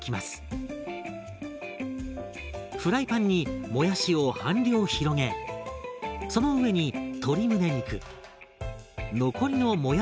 フライパンにもやしを半量広げその上に鶏むね肉残りのもやしをのせます。